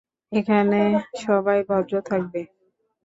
এখানে সবাই ভদ্র থাকবে।